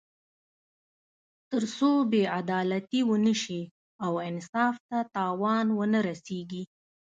تر څو بې عدالتي ونه شي او انصاف ته تاوان ونه رسېږي.